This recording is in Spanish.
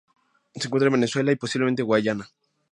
Se encuentra en Venezuela y posiblemente Guyana.